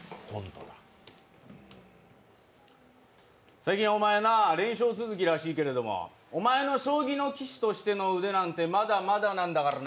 最近、お前な、連勝続きらしいけども、お前の将棋の棋士としての腕なんてまだまだなんだからな。